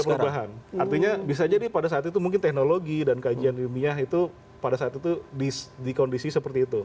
ada perubahan artinya bisa jadi pada saat itu mungkin teknologi dan kajian ilmiah itu pada saat itu di kondisi seperti itu